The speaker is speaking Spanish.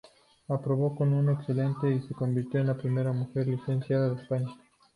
Aprobó con un excelente y se convirtió en la primera mujer licenciada de España.